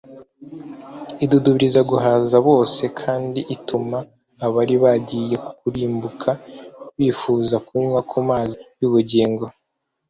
idudubiriza guhaza bose, kandi ituma abari bagiye kurimbuka bifuza kunywa ku mazi y’ubugingo.